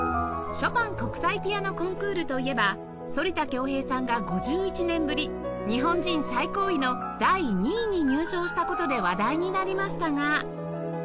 ショパン国際ピアノコンクールといえば反田恭平さんが５１年ぶり日本人最高位の第２位に入賞した事で話題になりましたが